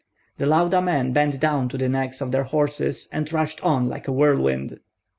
The Lauda men bent down to the necks of their horses, and rushed on like a whirlwind.